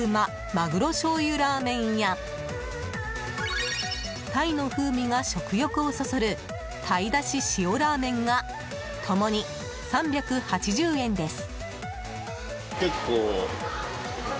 まぐろ醤油ラーメンや鯛の風味が食欲をそそる鯛だし塩ラーメンが共に３８０円です。